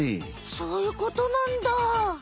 そういうことなんだ。